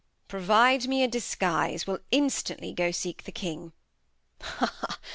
] Bast. Provide me a Disguise, we'll instantly Go seek the King ; ha ! ha !